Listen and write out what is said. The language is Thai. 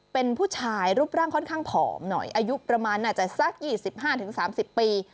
เป็นผู้ชายรูปร่างค่อนข้างผอมหน่อยอายุประมาณน่าจะสัก๒๕๓๐ปี